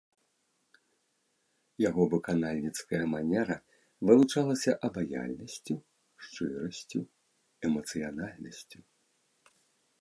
Яго выканальніцкая манера вылучалася абаяльнасцю, шчырасцю, эмацыянальнасцю.